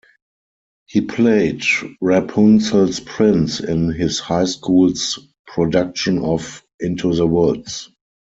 He played Rapunzel's prince in his high school's production of "Into the Woods".